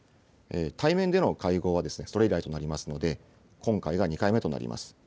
対面での会合はそれ以来となりますので、今回が２回目となります。